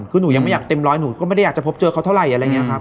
คือหนูยังไม่อยากเต็มร้อยหนูก็ไม่ได้อยากจะพบเจอเขาเท่าไหร่อะไรอย่างนี้ครับ